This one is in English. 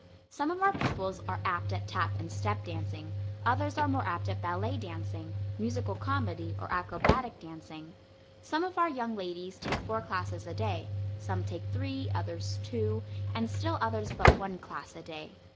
Some of our pupils are apt at tap and step dancing, others are more apt at ballet dancing, musical comedy or acrobatic dancing. Some of our young ladies take four classes a day; some take three; others two; and still others but one class a day.